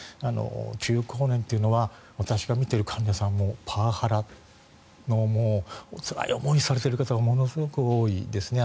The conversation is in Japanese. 中高年というのは私が診ている患者さんもパワハラでつらい思いをされている方がものすごく多いですね。